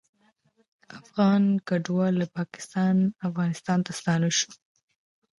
افغان کډوال له پاکستانه افغانستان ته ستانه شوي